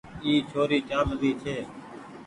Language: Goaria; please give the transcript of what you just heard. اي ڇوري چآل رهي ڇي۔